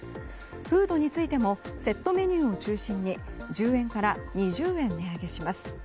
フードについてもセットメニューを中心に１０円から２０円値上げします。